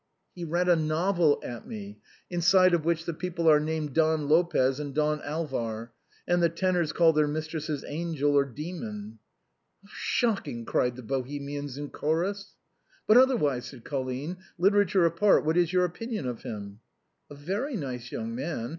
" He read a novel at me, inside of which the people are named Don Lopez and Don Alvar ; and the tenors call their mistresses ' angel,' or ' demon.' "" How shocking !" cried the Bohemians, in chorus. " But otherwise," said Colline, " literature apart, what is your opinion of him ?" "A very nice young man.